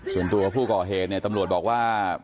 ส่วนตัวผู้ก่อเหตุเนี่ยตำรวจบอกว่า